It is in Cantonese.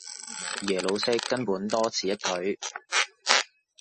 耶魯式根本多此一舉